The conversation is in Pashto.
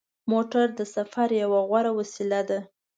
موټر د سفر یوه غوره وسیله ده.